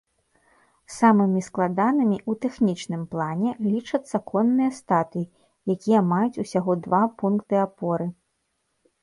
Самымі складанымі ў тэхнічным плане лічацца конныя статуі, якія маюць усяго два пункты апоры.